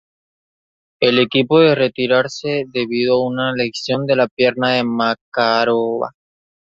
El equipo de retirarse debido a una lesión de la pierna de Makarova.